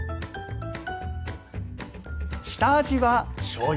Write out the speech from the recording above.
下味はしょうゆ。